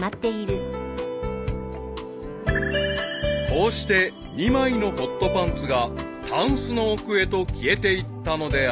［こうして２枚のホットパンツがたんすの奥へと消えていったのであった］